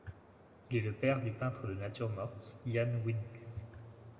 Il est le père du peintre de nature morte Jan Weenix.